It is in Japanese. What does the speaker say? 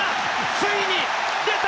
ついに出た！